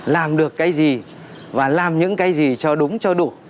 làm được cái gì và làm những cái gì cho đúng cho đủ